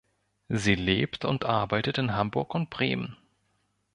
Sie lebt und arbeitet in Hamburg und Bremen.